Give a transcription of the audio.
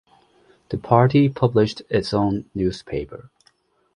The party published its own newspaper.